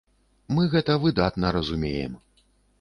Мы гэта выдатна разумеем.